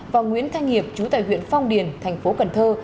và nguyễn thanh hiệp chú tại huyện phong điền thành phố cần thơ